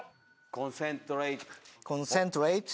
コンセントレイト。